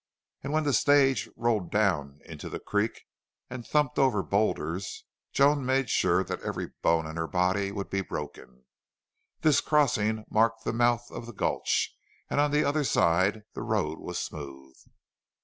And when the stage rolled down into the creek and thumped over boulders Joan made sure that every bone in her body would be broken. This crossing marked the mouth of the gulch, and on the other side the road was smooth.